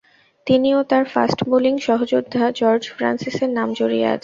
তিনি ও তার ফাস্ট বোলিং সহযোদ্ধা জর্জ ফ্রান্সিসের নাম জড়িয়ে আছে।